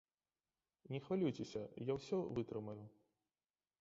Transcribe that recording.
Не хвалюйцеся, я усе вытрымаю.